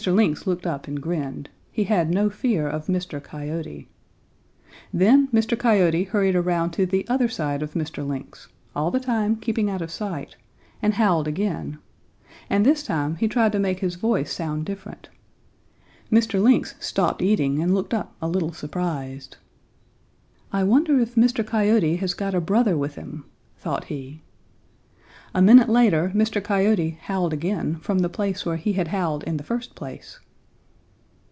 Lynx looked up and grinned. He had no fear of Mr. Coyote. Then Mr. Coyote hurried around to the other side of Mr. Lynx, all the time keeping out of sight, and howled again, and this time he tried to make his voice sound different. Mr. Lynx stopped eating and looked up a little surprised. 'I wonder if Mr. Coyote has got a brother with him,' thought he. A minute later Mr. Coyote howled again from the place where he had howled in the first place.